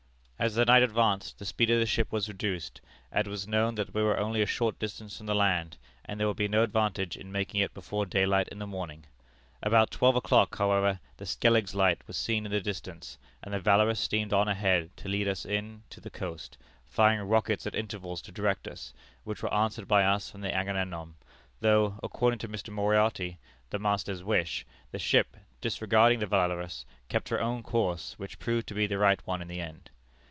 As the night advanced the speed of the ship was reduced, as it was known that we were only a short distance from the land, and there would be no advantage in making it before daylight in the morning. About twelve o'clock, however, the Skelligs Light was seen in the distance, and the Valorous steamed on ahead to lead us in to the coast, firing rockets at intervals to direct us, which were answered by us from the Agamemnon, though, according to Mr. Moriarty, the master's wish, the ship, disregarding the Valorous, kept her own course, which proved to be the right one in the end.